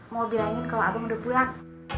mau bilangin kalau abang udah pulang